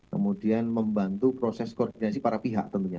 kemudian membantu proses koordinasi para pihak tentunya